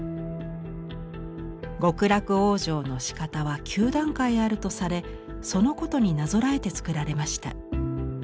極楽往生のしかたは９段階あるとされそのことになぞらえて作られました。